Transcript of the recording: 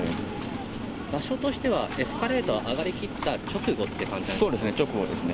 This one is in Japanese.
場所としては、エスカレーター上がりきった直後って感じですか？